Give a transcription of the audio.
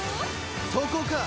そこか。